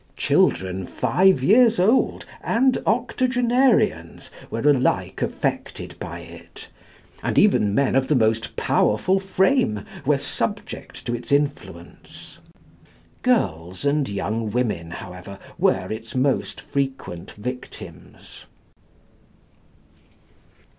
Children five years old and octogenarians were alike affected by it, and even men of the most powerful frame were subject to its influence. Girls and young women, however, were its most frequent victims.